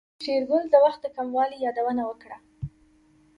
شېرګل د وخت د کموالي يادونه وکړه.